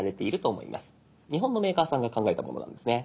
日本のメーカーさんが考えたものなんですね。